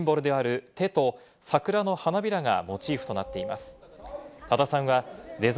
聴覚障害者コミュニティのシンボルである、手と桜の花びらがモチーフとなっています。